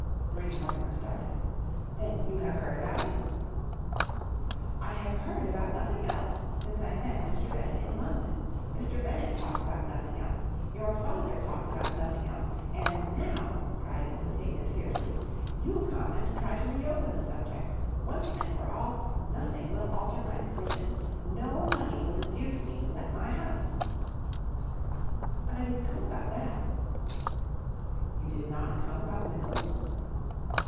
Bream Mortimer started. "Then you have heard about it?" "I have heard about nothing else since I met Mr. Bennett in London. Mr. Bennett talked about nothing else. Your father talked about nothing else. And now," cried Mrs. Hignett, fiercely, "you come and try to re open the subject. Once and for all, nothing will alter my decision. No money will induce me to let my house." "But I didn't come about that!" "You did not come about Windles?"